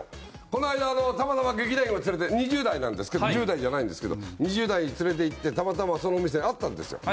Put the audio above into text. この間たまたま劇団員を連れて２０代なんですけど１０代じゃないんですけど２０代連れて行ってたまたまそのお店にあったんですよ。